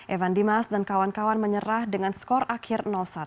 evan dimas dan kawan kawan menyerah dengan skor akhir satu